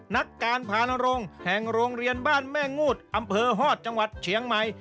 นักการพานรงค์แห่งโรงเรียนบ้านแม่งูดอำเภอฮอตจังหวัดเชียงใหม่